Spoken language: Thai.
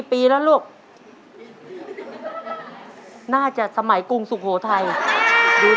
ตัวเลือดที่๓ม้าลายกับนกแก้วมาคอ